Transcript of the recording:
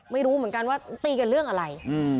ไม่รู้เหมือนกันว่าตีกันเรื่องอะไร